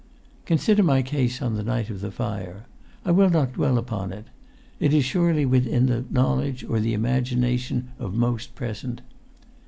"Consider my case on the night of the fire. I will not dwell upon it; it is surely within the knowledge or the imagination of most present.